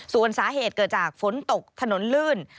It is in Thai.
ส่วนสาเหตุเกิดจากฝนตกถนนลื่น